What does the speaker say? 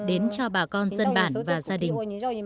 đến cho bà con dân bản và gia đình